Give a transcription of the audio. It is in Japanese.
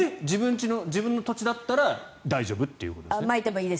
自分の土地だったら大丈夫ってことですね。